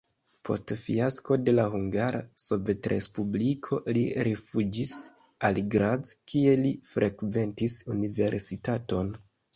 Post fiasko de la Hungara Sovetrespubliko li rifuĝis al Graz, kie li frekventis universitaton.